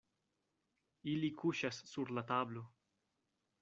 Ili kuŝas sur la tablo.